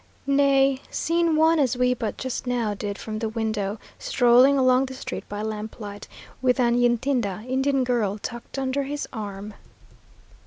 nay, seen one, as we but just now did from the window, strolling along the street by lamplight, with an Yntida (Indian girl) tucked under his arm!....